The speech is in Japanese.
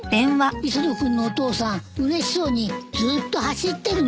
磯野君のお父さんうれしそうにずーっと走ってるのよ。